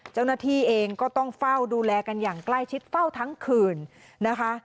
เจ้าหน้าที่เองก็ต้องเฝ้าดูแลกันอย่างใกล้ชิดเฝ้าทั้งคืนนะคะ